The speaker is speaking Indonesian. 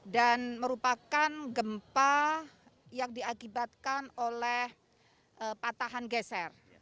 dan merupakan gempa yang diakibatkan oleh patahan geser